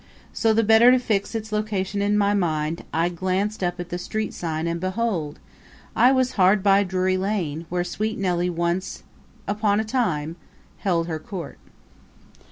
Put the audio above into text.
So, the better to fix its location in my mind, I glanced up at the street sign and, behold! I was hard by Drury Lane, where Sweet Nelly once on a time held her court.